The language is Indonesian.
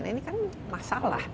ini kan masalah